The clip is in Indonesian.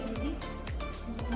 waktu itu time adalah